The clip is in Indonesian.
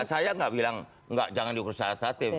saya tidak bilang jangan diukur secara kuantitatif